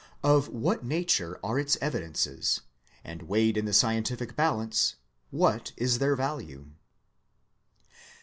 Of what nature are its evi dences; and weighed in the scientific balance, what is their value